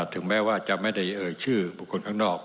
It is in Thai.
ถึงแม้ว่าจะไม่ได้เอ่ยชื่อบุคคลข้างนอก